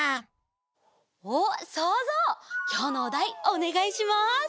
おっそうぞうきょうのおだいおねがいします。